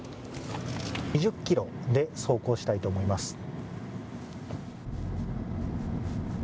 ２０キロで走行したいと思います。